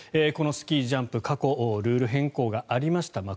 このスキージャンプ過去、ルール変更がありました。